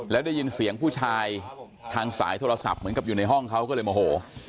แล้วได้ยินเสียงผู้ชายทางสายโทรศัพท์เหมือนกับอยู่ในห้องเขาก็เลยโมโห